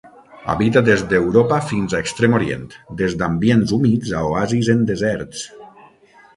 Habita des d'Europa fins a Extrem Orient, des d'ambients humits a oasis en deserts.